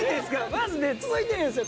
マジね続いてるんですよ。